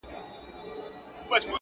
بس پښتونه چي لښکر سوې نو د بل سوې-